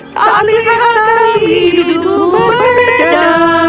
saat lihat kami diduduk berbeda